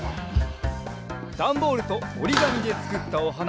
ダンボールとおりがみでつくったおはな